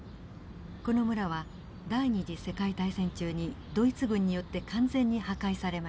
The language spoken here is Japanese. この村は第二次世界大戦中にドイツ軍によって完全に破壊されました。